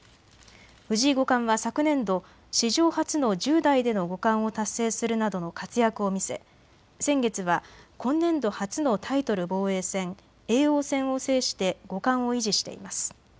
藤井五冠は昨年度、至上初の１０代での五冠を達成するなどの活躍を見せ先月は今年度初のタイトル防衛戦、叡王戦を制して五冠を維持しています。